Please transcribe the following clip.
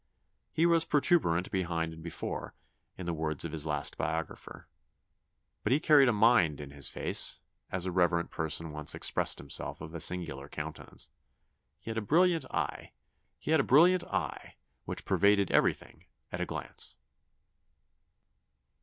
He was protuberant behind and before, in the words of his last biographer. But he carried a mind in his face, as a reverend person once expressed himself of a singular countenance. He had a brilliant eye, which pervaded everything at a glance."